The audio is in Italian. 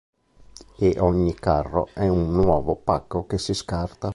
E ogni carro è un nuovo pacco che si scarta.